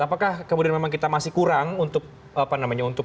apakah kita masih kurang untuk